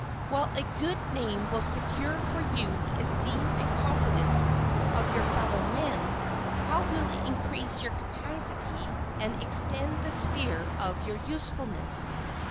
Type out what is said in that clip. While a good name will secure for you the esteem and confidence of your fellow men, how will it increase your capacity and extend the sphere of your usefulness!